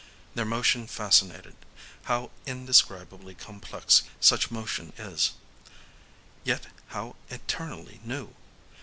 Their motion fascinated. How indescribably complex such motion is,—yet how eternally new!